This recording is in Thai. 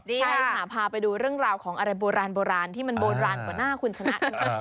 ใช่ค่ะพาไปดูเรื่องราวของอะไรโบราณที่มันโบราณกว่าหน้าคุณชนะ